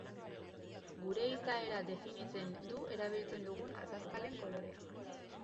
Gure izaera definitzen du erabiltzen dugun azazkalen koloreak.